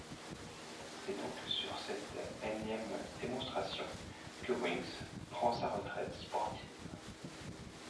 C'est donc sur cet énième démonstration que Winx prend sa retraite sportive.